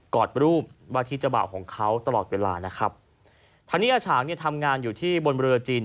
อดรูปวาธิเจ้าบ่าวของเขาตลอดเวลานะครับทางนี้อาฉางเนี่ยทำงานอยู่ที่บนเรือจีน